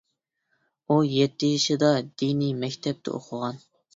ئۇ يەتتە يېشىدا دىنىي مەكتەپتە ئوقۇغان.